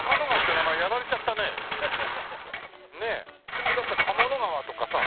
普通だったら賀茂野川とかさ。